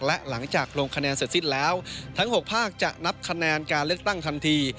และหลังจากลงคะแนนเสร็จสิ้นแล้วทั้ง๖ภาคจะนับคะแนนการเลือกตั้งทันที